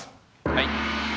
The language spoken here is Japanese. はい。